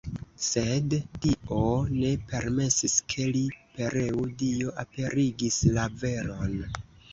Sed Dio ne permesis, ke li pereu, Dio aperigis la veron.